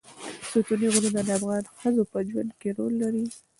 ستوني غرونه د افغان ښځو په ژوند کې رول لري.